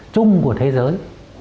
trung của thế giới